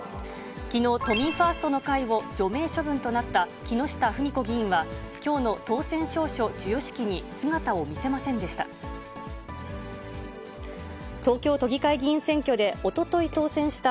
きのう、都民ファーストの会を除名処分となった木下富美子議員は、きょうの当選証書授与式に姿を見せませんでした。